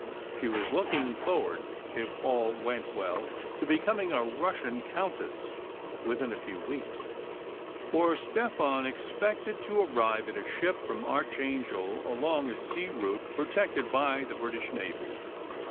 She was looking forward, if all went well, to becom ing a Russian countess within a few weeks, for Stefan ex pected to arrive in a ship from Archangel along a sea route protected by the British navy.